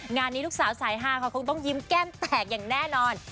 งานนี้ลูกสาวสายฮาค่ะคงต้องยิ้มแก้มแตกอย่างแน่นอน